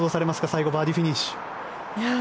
最後、バーディーフィニッシュ。